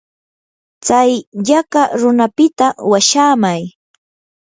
tsay yaqa runapita washaamay.